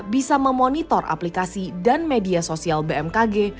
bisa memonitor aplikasi dan media sosial bmkg